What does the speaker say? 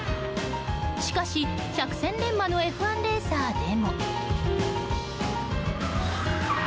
しかし、百戦錬磨のＦ１レーサーでも。